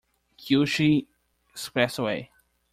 Kyushu Expressway